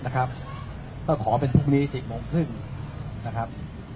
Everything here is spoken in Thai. ก็ขอเป็นพรุ่งนี้๑๐โมงครึ่งนะครับ